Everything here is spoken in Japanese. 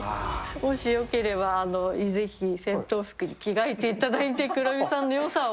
もしよければ、ぜひ戦闘服に着替えていただいて、クロミさんのよさを。